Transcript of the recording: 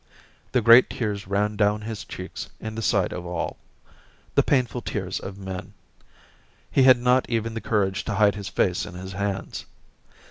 The great tears ran down his cheeks in the sight of all — the painful tears of men ; he had not even the courage to hide his face in his hands.